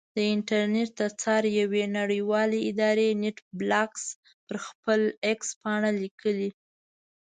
د انټرنېټ د څار یوې نړیوالې ادارې نېټ بلاکس پر خپل ایکس پاڼه لیکلي.